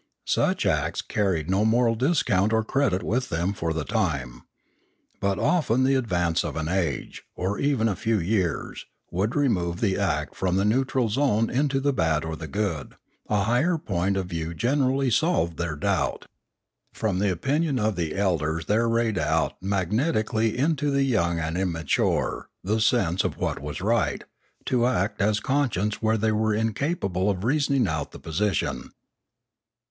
Such acts carried no moral discount or credit with them for the time. But often the advance of an age, or even a few years, would remove the act from the neutral zone into the bad or the good; a higher point of view gen erally solved their doubt. From the opinion of the elders there rayed out magnetically into the young and 628 Limanora immature the sense of what was right, to act as con science where they were incapable of reasoning out the position.